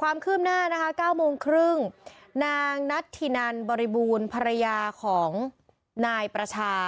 ความคืบหน้านะคะ๙โมงครึ่งนางนัทธินันบริบูรณ์ภรรยาของนายประชา